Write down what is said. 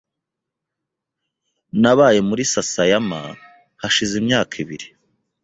Nabaye muri Sasayama hashize imyaka ibiri .